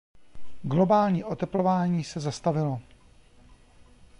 Globální oteplování se zastavilo.